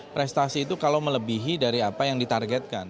prestasi itu kalau melebihi dari apa yang ditargetkan